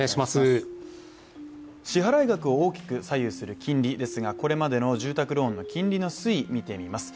支払額を大きく左右する金利ですがこれまでの住宅ローンの金利の推移、見てみます。